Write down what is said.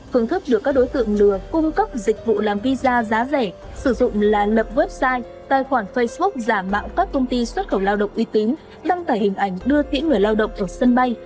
phương thức được các đối tượng lừa cung cấp dịch vụ làm visa giá rẻ sử dụng là lập website tài khoản facebook giả mạo các công ty xuất khẩu lao động uy tín đăng tải hình ảnh đưa kỹ người lao động ở sân bay